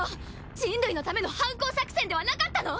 人類のための反抗作戦ではなかったの⁉